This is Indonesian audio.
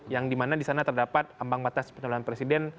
yang dimana di sana terdapat ambang batas pencalonan presiden